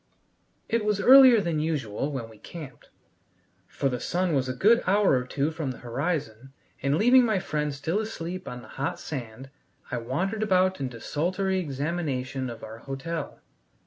It was earlier than usual when we camped, for the sun was a good hour or two from the horizon, and leaving my friend still asleep on the hot sand, I wandered about in desultory examination of our hotel.